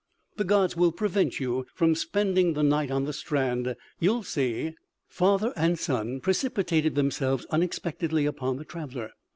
"The gods will prevent you from spending the night on the strand.... You'll see " Father and son precipitated themselves unexpectedly upon the traveler.